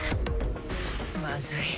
まずい。